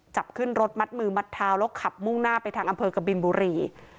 จับขึ้นรถมัดมือมัดเท้าแล้วขับมุ่งหน้าไปทางอำเภอกบินบุรี